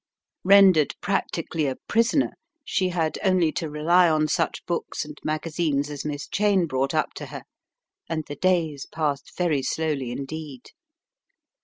Rendered practically a prisoner she had only to rely on such books and magazines as Miss Cheyne brought up to her and the days passed very slowly indeed.